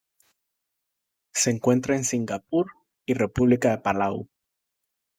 Se encuentra en Singapur y República de Palau.